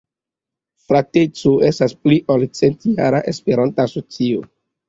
Frateco estas pli ol centjara esperanta asocio.